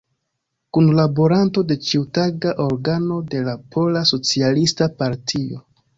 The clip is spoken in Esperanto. Kunlaboranto de ĉiutaga organo de la Pola Socialista Partio.